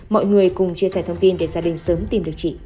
mọi người cùng chia sẻ thông tin để gia đình sớm tìm được chị